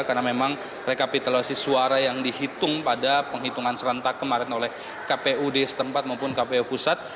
karena memang rekapitalisasi suara yang dihitung pada penghitungan serentak kemarin oleh kpud setempat maupun kpu pusat